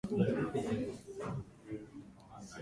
吉沢君は、歌も書も碁もする人でした